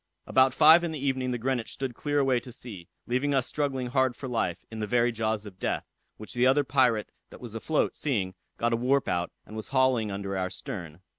About five in the evening the Greenwich stood clear away to sea, leaving us struggling hard for life, in the very jaws of death; which the other pirate that was afloat, seeing, got a warp out, and was hauling under our stern.